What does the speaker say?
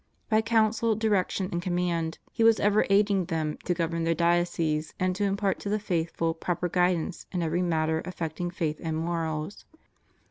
By counsel, direction, and com mand, he was ever aiding them to govern their dioceses, and to impart to the faithful proper guidance in every matter affecting faith and morals.